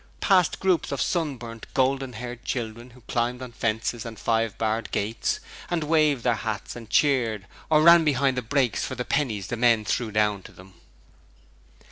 Past groups of sunburnt, golden haired children who climbed on fences and five barred gates, and waved their hats and cheered, or ran behind the brakes for the pennies the men threw down to them.